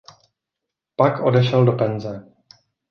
Pak odešel do penze.